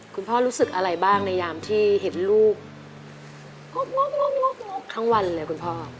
รู้สึกอะไรบ้างในยามที่เห็นลูกงกงกทั้งวันเลยคุณพ่อ